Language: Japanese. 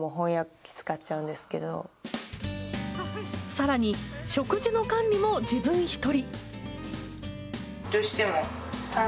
更に、食事の管理も自分１人。